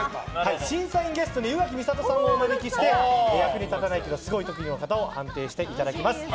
審査員ゲストに宇垣美里さんをお招きして役に立たないけどすごい特技の方を判定していただきます。